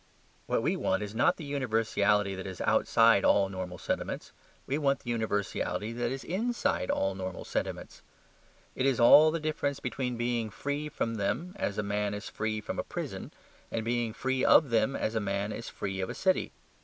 What we want is not the universality that is outside all normal sentiments; we want the universality that is inside all normal sentiments. It is all the difference between being free from them, as a man is free from a prison, and being free of them as a man is free of a city.